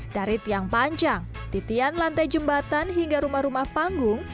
dari tiang panjang titian lantai jembatan hingga rumah rumah panggung